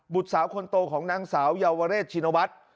สาวคนโตของนางสาวเยาวเรชชินวัฒน์